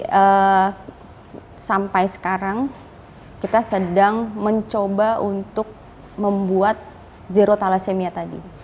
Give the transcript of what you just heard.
jadi sampai sekarang kita sedang mencoba untuk membuat zero thalassemia tadi